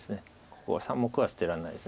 ここ３目は捨てられないです。